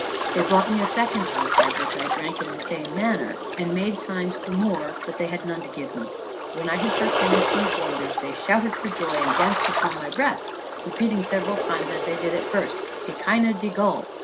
They brought me a second hogshead, which I drank in the same manner, and made signs for more; but they had none to give me. When I had performed these wonders, they shouted for joy, and danced upon my breast, repeating several times as they did at first, _Hekinah degul.